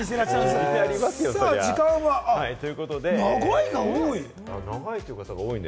「長い」が多い。